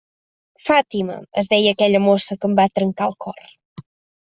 Fàtima, es deia aquella mossa que em va trencar el cor.